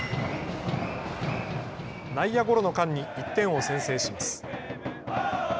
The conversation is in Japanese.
内野ゴロの間に１点を先制します。